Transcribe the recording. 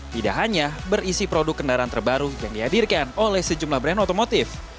tidak hanya berisi produk kendaraan terbaru yang dihadirkan oleh sejumlah brand otomotif